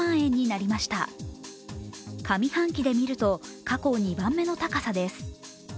上半期で見ると過去２番目の高さです。